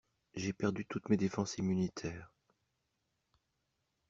J'ai perdu toutes mes défenses immunitaires.